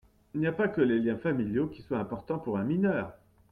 Il n’y a pas que les liens familiaux qui soient importants pour un mineur.